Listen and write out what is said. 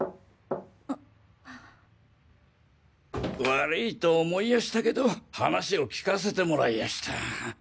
悪いと思いやしたけど話を聞かせてもらいやした。